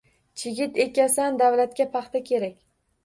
Chigit ekasan davlatga paxta kerak